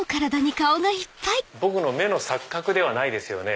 僕の目の錯覚ではないですよね？